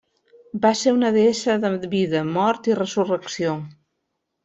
Va ser una deessa de vida, mort i resurrecció.